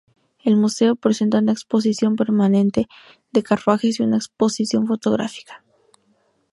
El Museo presenta una exposición permanente de carruajes y una exposición fotográfica.